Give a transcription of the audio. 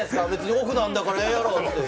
オフなんだからいいだろ！って。